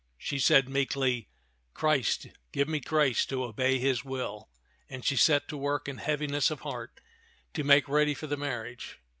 She said meekly, " Christ give me grace to obey his will," and she set to work in heaviness of heart to make ready for the marriage.